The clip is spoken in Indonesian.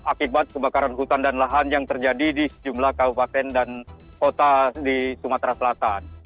akibat kebakaran hutan dan lahan yang terjadi di sejumlah kabupaten dan kota di sumatera selatan